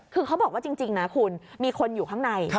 คือเขาบอกว่าจริงนะคุณมีคนอยู่ข้างใน